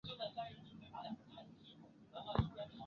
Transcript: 二十岁时即成为扬州评话界四大名家之一。